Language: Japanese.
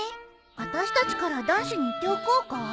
私たちから男子に言っておこうか？